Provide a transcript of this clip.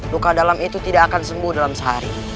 luka dalam itu tidak akan sembuh dalam sehari